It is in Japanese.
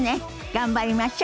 頑張りましょ！